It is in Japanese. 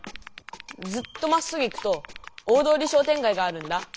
ずっとまっすぐ行くと大通りしょうてんがいがあるんだ。